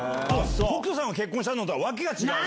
北斗さんが結婚したのとは訳が違う。